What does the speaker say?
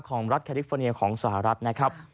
ของรัฐแคลิฟอร์เนียของสหรัฐนะครับ